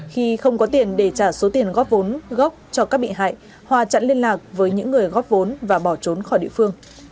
khi không có tiền để trả số tiền góp vốn gốc cho các bị hại hòa chặn liên lạc với những người góp vốn và bỏ trốn khỏi địa phương